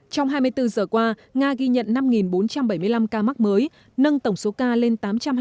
trong hai mươi bốn giờ qua nga ghi nhận năm bốn trăm bảy mươi năm ca mắc mới nâng tổng số ca lên tám trăm hai mươi tám chín trăm chín mươi